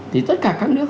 thì tất cả các nước